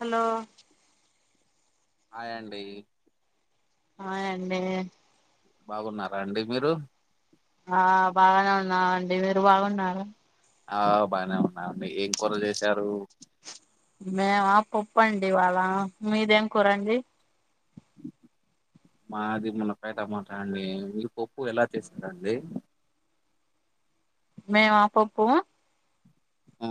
Hello hi అండి hi అండి బాగున్నారా అండి మీరు ఆ బాగానే ఉన్నావండి మీరు బాగున్నారా ఆ బాగానే ఉన్నా మండి ఏం కూరలు చేశారు మేమా పప్పండి ఇవాళ్ళ మీదేం కూర అండి మాది మునగ కా టమాట అండి మీరు పప్పు ఎలా చేస్తారండి మై ఆ పప్పు ఆ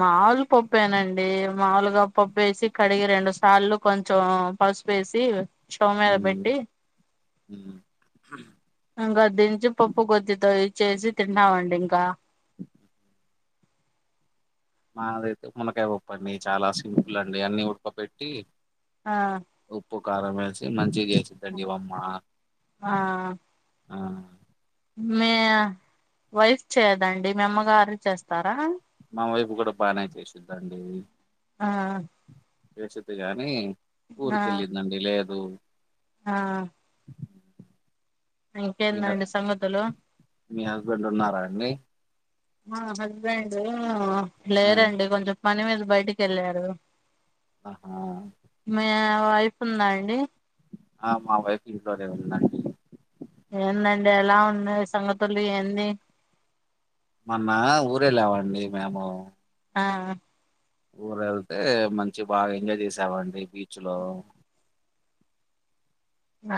మాములు పప్పుేనండి మాములుగా పప్పు ఏసి కడిగి రెండు సార్లు కొంచెం ఆ పసుపుపేసి షో మీద పెట్టి ఉ ఉహ్ ఇంకా దించి పప్పు గోద్దితో ఇ చేసి తిన్నామండి ఇంకా మాదైతే మునకాయ పప్పఅండి చాలా సింపుల్ అండి అన్ని ఉడకబెట్టి ఆ ఉప్పు కారం వేసి మంచిగా చేసిందండి మా అమ్మ ఆ ఆ మీ వైఫ్ చేయదండి మీ అమ్మగారే చేస్తారా మా వైపు కూడా బాగానే చేసిద్దాండి ఆ చేసిద్ది గాని ఆ ఊరికెళ్ళిందండి లేదు ఆ మీ హ- ఇంకేందండి సంగతులు మీ హస్బెండ్ ఉన్నారా అండి మా హస్బెండ్ ఆ లేరండి కొంచెం పని మీద బయటికెళ్ళారు ఆహా మీ ఆ వైఫ్ ఉందా అండి ఆ మా వైఫ్ ఇంట్లోనే ఉందండి ఏందండి ఎలా ఉన్నాయి సంగతులు ఏంది మొన్న ఊరెళ్ళమండి మేము ఆ ఊరేళ్తే మంచి బాగా ఎంజాయ్ చేసావండి బీచ్లో ఆ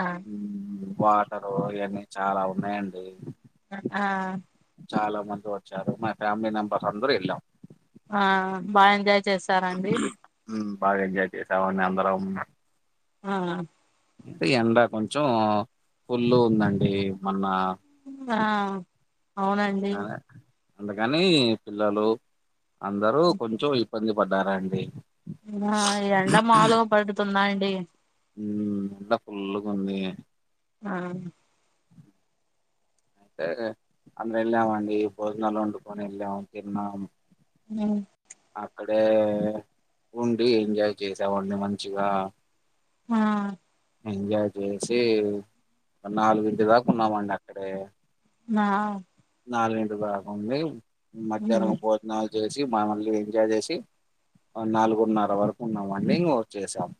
వాటరు ఇయన్నీ చాలా ఉన్నాయండి ఆ చాలా మంది వచ్చారు మా ఫ్యామిలీ మెంబర్స్ అందరు వెళ్ళాం ఆ బా ఎంజాయ్ చేస్తార అండి బాగా ఎంజాయ్ చేశామండి అందరం ఆ అంటే ఎండ కొంచెం ఫుల్ ఉందండి మొన్న ఆ అవునండి అందుకనే అందుకని పిల్లలు అందరూ కొంచెం ఇబ్బంది పడ్డారండి ఆ ఈ ఎండ మాలుగ పడుతున్నాయండి ఉ ఎండ ఫుల్లుగా ఉంది ఆ అయితే అందర వెళ్ళామండి భోజనాలు వండుకొని వెళ్ళాము తిన్నాము [inaudible] అక్కడే ఉండి ఎంజాయ్ చేసామండి మంచిగా ఆ ఎంజాయ్ చేసి ఒక నాలుగుంటి దాకా ఉన్నామండి అక్కడే ఆ ఆ నాలుగింటి దాకా ఉండి మధ్యాహ్నం భోజనాలు చేస్ చి మమల్ని ఎంజాయ్ చేసి నాలుగురున్నర వరకు ఉన్నాం విన్నింగ్ వచ్చేసాం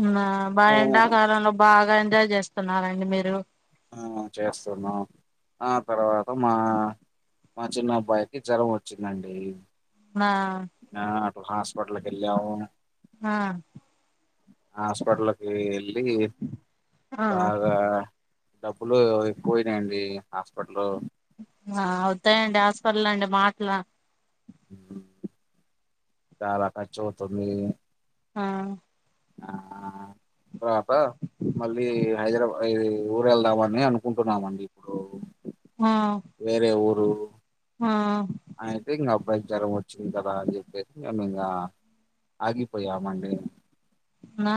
ఉమ్ ఆ బా ఎండాకాలంలో బాగా ఎంజాయ్ చేస్తున్నారండి మీరు ఆ చేస్తున్నా ఆ తర్వాత మా మా చిన్న అబ్బాయికి జ్వరం వచ్చిందండి మా హాస్పిటల్ కి వెళ్ళాము ఆ హాస్పిటల్కి వెళ్ళి ఆ బాగా డబ్బులు ఎక్కువ అయినాయండి హాస్పిటల్లో ఆ అవుతాయండి హాస్పిటల్ అంటే మాటల చాలా ఖర్చు అవుతుంది ఆ ఆ పాప మళ్ళీ హైదరాబాద్ ఇది ఊరు వెళ్దామని అనుకుంటున్నామండి ఇప్పుడు ఆ వేరే ఊరు ఆ అయితే ఇంగా అబ్బాయికి జ్వరం వచ్చింది కదా అని చెప్పేసి మేము ఇంగా ఆగిపోయము అండి ఆ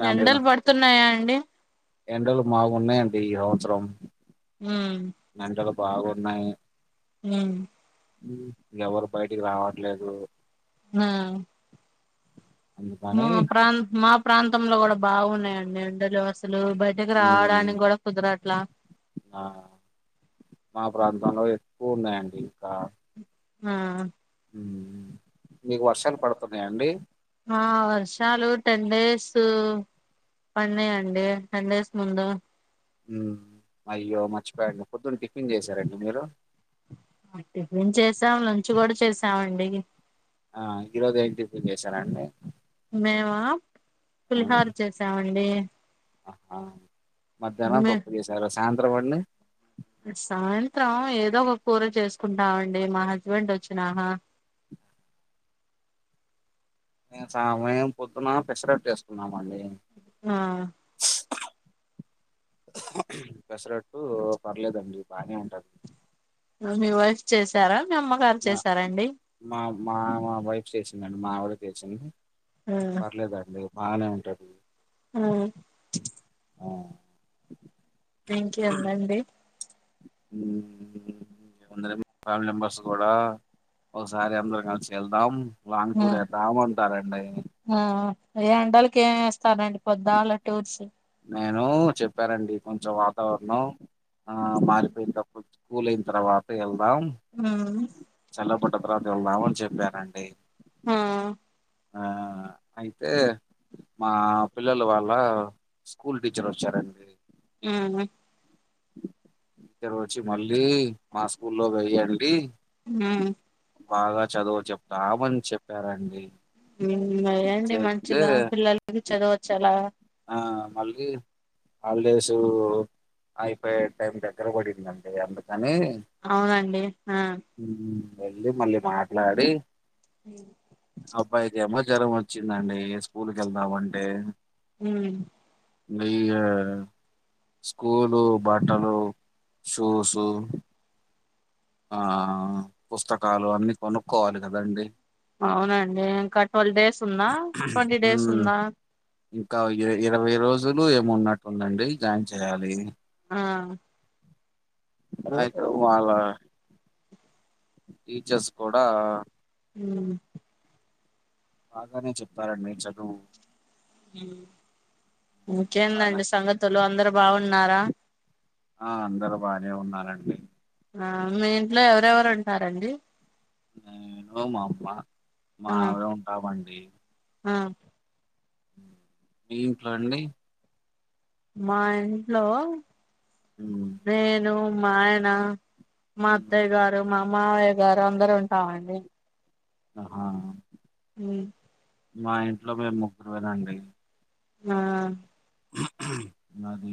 ఫ్యామిలీలో ఎండలు పడుతున్నాయా అండి ఎండలు బగున్నాయండి ఈ సంవత్సరం ఉ ఎండలు బాగున్నాయి ఊ ఉ ఎవరు బయటికి రావట్లేదు ఆ మా అందుకని ప్రాంత మా ప్రాంతంలో కూడా బాగున్నాయండి ఎండలు అసలు అసలు బయటకి ఉమ్, రావడానికి కూడా కుదరట్లా ఆ మా ప్రాంతంలో ఎక్కువ ఉన్నాయండి ఇంకా ఆ ఉ ఆ వర్షాలు టెన్ డేస్ టా పన్నాయ్ అండి టెన్ డేస్ ముందు ఉ అయ్యో మర్చిపోయను పొద్దున్న టిఫిన్ చేసారండి మీరు టిఫిన్ చేసాం లంచ్ కూడా చేసామండి ఆ ఈరోజు ఎమ్ టిపిన్ చేసారండి మేమ పులిహోర చేసామండి ఆహా మధ్యాహ్నం మే పప్పు చేశారు సాయంత్రం అండి సాయంత్రం ఏదో ఒక కూర చేసుకుంటామండి మా హస్బెండ్ వచ్చినాక మేము పొద్దున పెసరట్టు చేసుకున్నాము అండి నా పెసరట్టు పర్లేదండి బానే ఉంటది మీ వైఫ్ చేసారా మీ అమ్మగారు నా చేసారండి మా మా వైఫ్ చేసిందండి మా ఆవిడ చేసింది ఆ పర్లేదండి బానే ఉంటది ఆ ఆ ఇంకెలే అండి ఉమ్ కొందరేమో ఫ్యామిలీ మెంబర్స్ గూడా ఒకసారి అందరుం కలిసి వెళ్దాం లాంగ్ ఆ టూర్ వేద్దాం అంటారండి ఆ ఏ ఎండల్కే ఏవ్ ఎస్తారండి పోద్దాలా టూర్స్ నేను చెప్పారండి కొంచెం వాతావరణం మారిపోయిన తర్వాత చూద్దాం కూల్ అయిన తర్వాత వెళ్దాం ఆ చల్లబడ్డ తర్వాత వెళ్దాం అని చెప్పనండి ఆ ఆ అయితే మా పిల్లలు వాళ్ళ స్కూల్ టీచర్ వచ్చారండి ఉమ్ ఇక్కడ వచ్చి మళ్ళీ మా స్కూల్లో వెయ్యండి మ్మ్ బాగా చదువు చెప్తా మని చెప్పారండి వెయ్యండి చెప్తే మంచిగా పిల్లలకి చదవుచ్చేలా హాల్డేసూ అయిపోయే టైం దగ్గర పడిందండి అందుకని అవునండి ఆ వెళ్ళి మళ్ళీ మాట్లాడీ అబ్బాయిది ఏమో జరం వచ్చిందండి స్కూల్కి వెళ్దామంటే ఊ న [inaudible] స్కూలు బట్టలు షూసు ఆ పుస్తకాలు అన్ని కొనుక్కోవాలి కదండీ అవునండి ఇంకా ట్వెల్వ్ డేస్ ఉన్నా ట్వంటీ డేస్ ఉమ్ ఉందా ఇంకా ఇ ఇరవై రోజులు ఏమో ఉన్నట్టుందండి జాయిన్ చేయాలి ఆ అయితే వాళ్ళ టీచర్స్ కూడా ఉ బాగానే చెప్తారండి చదువు బానే ఇంకేందండి సంగతులు అందరు బాగున్నారా ఆ అందరూ బానే ఉన్నారంండి ఆ మీ ఇంట్లో ఎవరెవరు ఉంటారండి నేను మా అమ్మ మా ఆవిడ ఉంటామండి అ మీ ఇంట్లో అండి మా ఇంట్లో ఉమ్ నేను మా ఆయన మా ఉమ్ అత్తయ్య గారు మా మావయ్య గారు అందరం ఉంటామండి అ హా ఉమ్ మా ఇంట్లో మేం ముగ్గురమేనండి ఆ నాది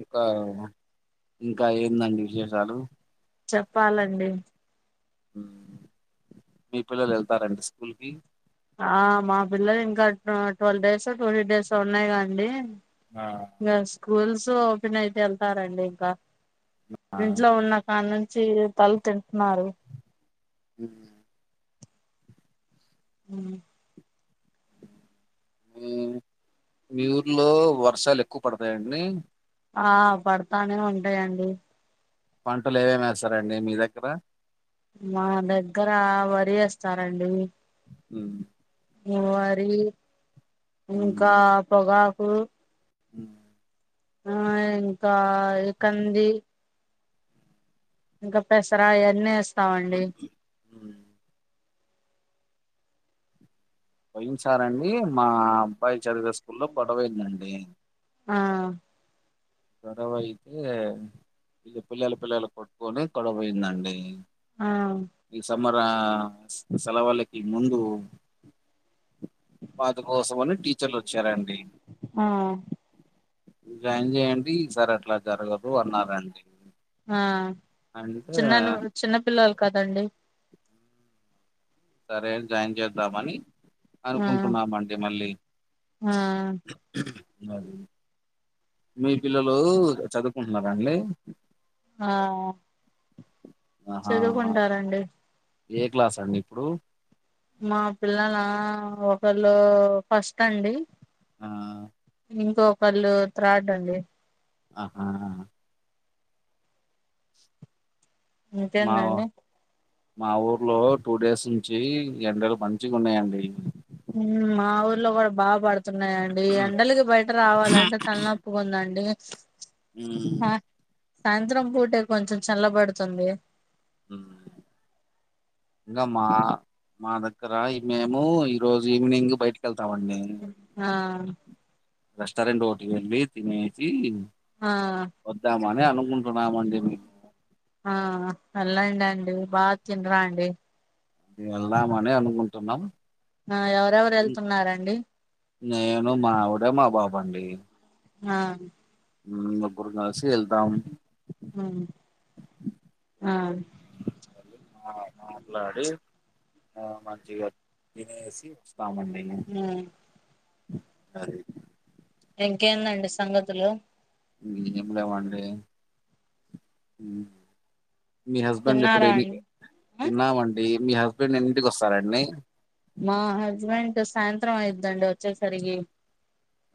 ఇకా అయినా ఇంకా ఏందండి విశేషాలు చెప్పాలండి మీ పిల్లలు వెళ్తారండి స్కూల్ కి ఆ మా పిల్లలు ఇంకా టు ట్వుల్వ్ డేసో ట్వంటీ డేసో ఉన్నాయిగాండీ ఆ ఈగ స్కూల్స్ ఓపెన్ అయితే వెళ్తారండి ఇంకా ఆ ఇంట్లో ఉన్న కాని నుంచి తళ తింటున్నారు మ్మ్ మ్మ్ మ్ మీ ఊర్లో వర్షాలు ఎక్కువ పడతాయంండి ఆ పడతానే ఉంటాయంండి పంటలు ఏవేమి వేస్తారండీ అండి మీ దగ్గర మా దగ్గర వరి వేస్తారండి మ్మ్ వరి ఇంకా పొగాకు మ్ మ్మ్ ఇంకా ఏ కంది ఇంకా పెసరా ఇవన్నీ వేస్తామండి ఉమ్. పోయిన సారంండి మా అబ్బాయి చదివే స్కూల్లో గోడవయిందండి ఆ గొడవ అయితే ఇక పిల్లల పిల్లలు కొట్టుకొని గొడవయిందండి ఆ మర అ సెల్వలకి ముందు వాటి కోసమని టీచర్లు వచ్చారండి ఆ జాయిన్ చేయండి ఈసారి అట్లా జరగదు అన్నారండి ఆ అంటే చిన్న చిన్న పిల్లలు కదండి సరే అని జాయిన్ చేద్దామని ఆ అనుకుంటున్నామండి మళ్ళీ ఆ అది మీ పిల్లలు చదువుకుంటున్నారా అండి? ఆ ఆహా చదువుకుంటారు అండి ఏ క్లాస్ అండి ఇప్పుడు మా పిల్లల ఒకళ్ళు ఫస్ట్ అండి ఆ ఇంకొకళ్ళు త్రాడ్డండి అహా మా ఇంకేందండి మా ఊర్లో టూ డేస్ నుంచి ఎండలు మంచిగా ఉన్నాయండి మ్ మా ఊర్లో కుడా బా పడ్ తున్నాయండి ఈ ఎండలకి బయట రావాలంటే తలనొప్పుిగా ఉందండి ఆ మ్మ్ సాయంత్రం పూటే కొంచెం చల్లబడుతుంది ఇంకా మా మాదకరా మేము ఈ రోజు ఈవినింగ్ బయటికి వెళ్తామండి [unintelligible] రెస్టారంట్ హోటల్ కి ఎల్లి తినేసి ఆ వద్దామని అనుకుంటున్నామండి ఎల్లండి అండి బా తిని రాండి వెళ్దామని అనుకుంటున్నాం ఆ ఎవరెవరు హ్మ్. వెళ్తున్నారంండి నేను మావిడ మా బాబు అండి ఆ ఉమ్ ఒక్కరోజు రాశి వెళ్దాం ఉమ్ ఆ మా మాట్లాడి ఆ మంచిగా తినేసి వెళ్తామండి మేము ఉమ్ అది ఇంకేందండి సంగతులు ఏం లేవండి మీ హస్బెండ్ ఇప్పుడు తిన్నారా ఎన్ని అండి ఆ తిన్నామండి మీ హస్బెండ్ ఎన్నింటికి వస్తారండి మా హస్బెండ్ సాయంత్రం అయిద్దండి వచ్చేసరికి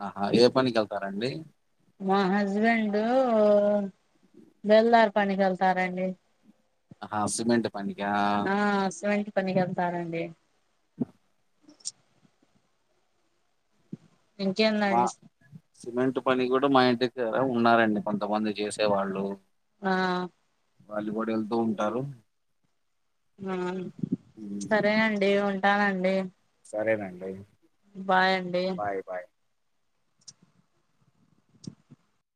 ఆహా ఏ పనికి వెళ్తారండి మా హస్బెండు బిల్డర్ పనికి వెళ్తారండి ఆహా సిమెంట్ పనికా ఆ సిమెంట్ పనికి వెళ్తారండి మా ఇంకేందండి సిమెంట్ పని కూడా మా ఇంటిదగ్గర ఉన్నారండి కొంతమంది చేసే వాళ్ళు ఆ వాళ్ళ కూడా వేల్ ఆ ఉమ్, సరేనండి ఉంటానండి సరేనండి బాయ్ అండి బాయ్ బాయ్